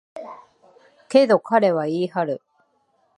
けど、彼は言い張る。